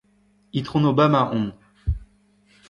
Itron Obama on.